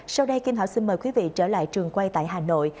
sau đây kim thảo xin mời quý vị trở lại trường quay tại hà nội